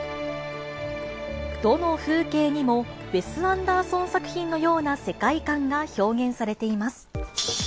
どの風景にもウェス・アンダーソン作品のような世界観が表現されています。